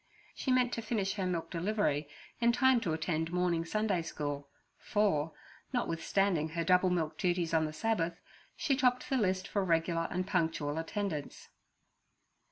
She meant to finish her milk delivery in time to attend morning Sunday school, for, notwithstanding her double milk duties on the Sabbath, she topped the list for regular and punctual attendance.